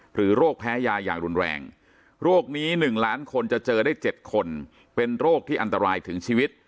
โรคแพ้ยาอย่างรุนแรงโรคนี้๑ล้านคนจะเจอได้๗คนเป็นโรคที่อันตรายถึงชีวิต